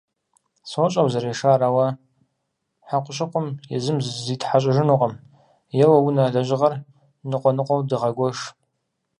Сощӏэ узэрешар, ауэ хьэкъущыкъум езым зитхьэщӏыжынукъым. Еуэ, унэ лэжьыгъэр ныкъуэ ныкъуэу дыгъэгуэш.